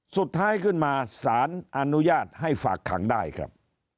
สุดท้ายขึ้นมาสารอนุญาตให้ฝากขังได้ครับ